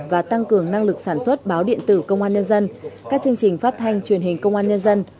và tăng cường năng lực sản xuất báo điện tử công an nhân dân các chương trình phát thanh truyền hình công an nhân dân